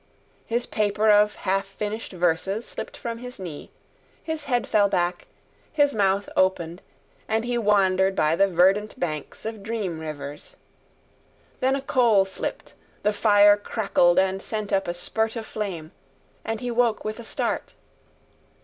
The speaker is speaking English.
His paper of half finished verses slipped from his knee, his head fell back, his mouth opened, and he wandered by the verdant banks of dream rivers. Then a coal slipped, the fire crackled and sent up a spurt of flame, and he woke with a start.